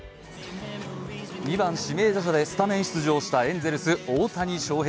２番・指名打者でスタメン出場したエンゼルス・大谷翔平。